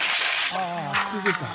ああ。